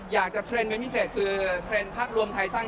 ยิ่งกับแช่แป้ง